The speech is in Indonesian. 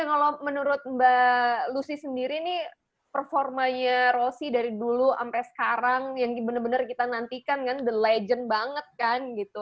tapi kalau menurut mbak lucy sendiri ini performanya rossi dari dulu sampai sekarang yang benar benar kita nantikan kan the legend banget kan gitu